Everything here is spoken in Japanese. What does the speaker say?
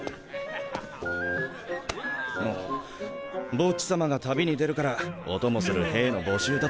ボッジ様が旅に出るからお供する兵の募集だって。